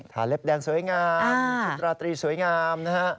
เล็บแดงสวยงามชุดราตรีสวยงามนะฮะ